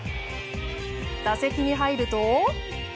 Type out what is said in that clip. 打席に入ると。